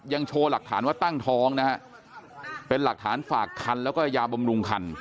โชว์หลักฐานว่าตั้งท้องนะฮะเป็นหลักฐานฝากคันแล้วก็ยาบำรุงคัน